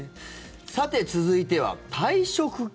さて、続いては退職金。